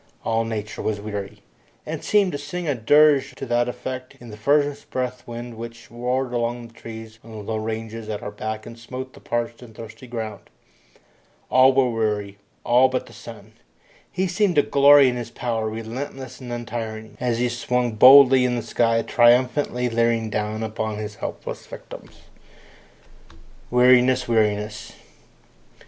All nature was weary, and seemed to sing a dirge to that effect in the furnace breath wind which roared among the trees on the low ranges at our back and smote the parched and thirsty ground. All were weary, all but the sun. He seemed to glory in his power, relentless and untiring, as he swung boldly in the sky, triumphantly leering down upon his helpless victims. Weariness! Weariness!